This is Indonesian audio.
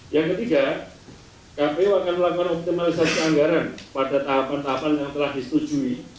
yang ketiga kpu akan melakukan optimalisasi anggaran pada tahapan tahapan yang telah disetujui